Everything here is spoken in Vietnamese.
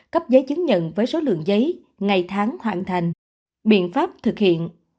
cấp giấy chứng nhận với số lượng giấy ngày tháng hoàn thành biện pháp thực hiện